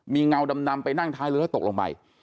มีเงาดำไปนั่งท้ายเรือแล้วตกลงไป